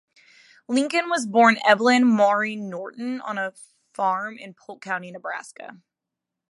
Lincoln was born Evelyn Maurine Norton on a farm in Polk County, Nebraska.